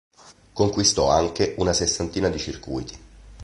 Conquistò anche una sessantina di circuiti.